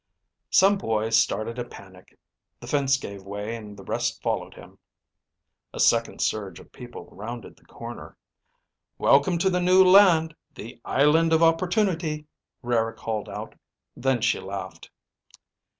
"Some boy started a panic. The fence gave way and the rest followed him." A second surge of people rounded the corner. "Welcome to the New Land, the Island of Opportunity," Rara called out. Then she laughed.